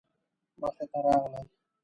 مخې ته راغلل.